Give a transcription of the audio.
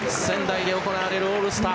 仙台で行われるオールスター